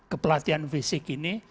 kepelatihan fisik ini